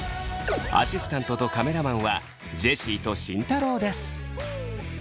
アシスタントとカメラマンはジェシーと慎太郎です。